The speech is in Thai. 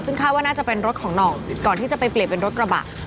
ซึ่งคาดว่าน่าจะเป็นรถของหน่องก่อนที่จะไปเปลี่ยนเป็นรถกระบะ